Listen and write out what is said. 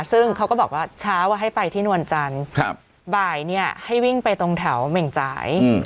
ซึ่งเขาก็บอกว่าเช้าให้ไปที่นวลจันทร์บ่ายเนี่ยให้วิ่งไปตรงแถวเหม่งจ่าย